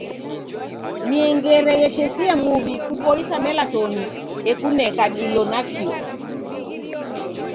Miengere yatesia muw'i kuboisa melatoni ekuneka dilo nakio.